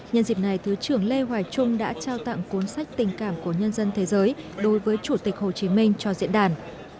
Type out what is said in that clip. nhân dịp này thứ trưởng lê hoài trung đã trao tặng cuốn sách tình cảm của nhân dân thế giới đối với chủ tịch hồ chí minh cho diễn đàn